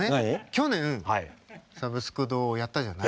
去年「サブスク堂」をやったじゃない？